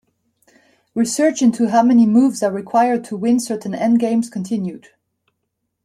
Research into how many moves are required to win certain endgames continued.